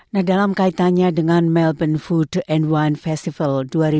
nah dalam kaitannya dengan melbourne food and wine festival dua ribu dua puluh empat